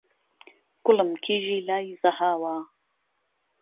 گوڵم کیژی لای زههاوه